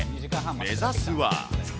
目指すは。